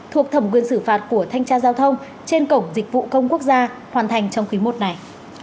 thuộc thẩm quyền xử phạt của thanh tra giao thông trên cổng dịch vụ công quốc gia hoàn thành trong quý i này